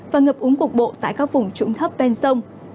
và ngập úng cục bộ tại các vùng trũng thấp ven sông